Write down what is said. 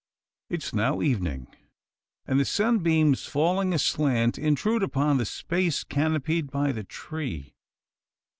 It is now evening; and the sunbeams, falling aslant, intrude upon the space canopied by the tree.